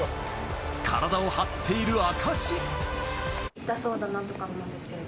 体を張っている証。